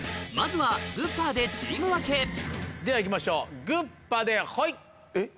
まずはグッパーでチーム分けでは行きましょうグッパでホイ。